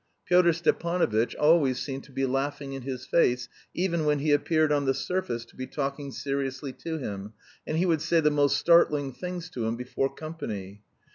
Pyotr Stepanovitch always seemed to be laughing in his face even when he appeared on the surface to be talking seriously to him, and he would say the most startling things to him before company.